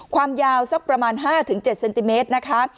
ความยาวสักประมาณ๕๗เซนติเมตรนะคะ